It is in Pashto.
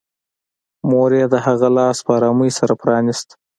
مور یې د هغه لاس په ارامۍ سره پرانيست